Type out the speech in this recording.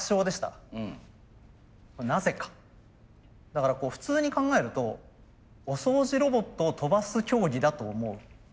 だからこう普通に考えるとお掃除ロボットを跳ばす競技だと思う。